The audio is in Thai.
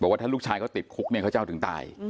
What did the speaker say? ว่าถ้าลูกชายเขาติดคุกเนี่ยเขาจะเอาถึงตาย